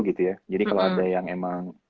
gitu ya jadi kalau ada yang emang